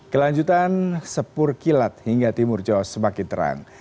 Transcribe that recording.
kelanjutan sepur kilat hingga timur jawa semakin terang